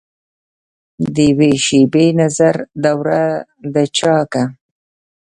دیوي شیبي نظر دوره دچاکه